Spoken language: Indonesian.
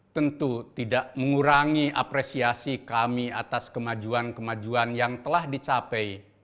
tentu tidak mengurangi apresiasi kami atas kemajuan kemajuan yang telah dicapai